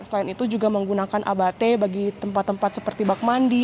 selain itu juga menggunakan abate bagi tempat tempat seperti bak mandi